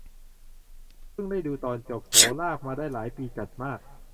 เพิ่งได้ดูตอนจบ โห ลากมาได้หลายปีจัดมาก